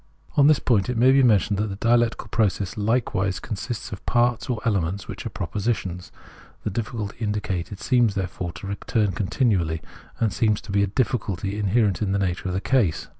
On this point it may be mentioned that the dialectical process Ukewise consists of parts or elements which are propositions. The difficulty indicated seems there fore to recur continually, and seems to be a difficulty inherent in the nature of the case.